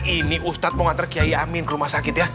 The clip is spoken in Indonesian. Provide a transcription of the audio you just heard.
ini ustadz mau ngantar kiai amin ke rumah sakit ya